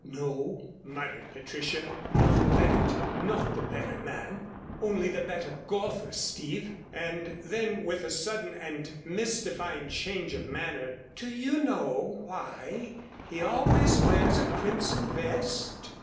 "No," muttered Patricia. "Not that, not the better man, only the better golfer, Steve." And then with a sudden and mystifying change of manner, "Do you know why he always wears a crimson vest?"